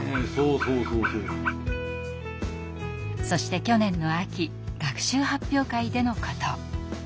そして去年の秋学習発表会でのこと。